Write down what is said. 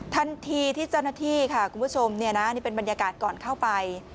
ทันทีที่เจ้าหน้าที่ค่ะคุณผู้ชมเนี่ยนะนี่เป็นบรรยากาศก่อนเข้าไป